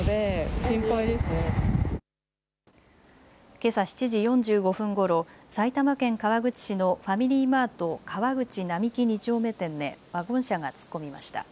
けさ７時４５分ごろ、埼玉県川口市のファミリーマート川口並木二丁目店にワゴン車が突っ込みました。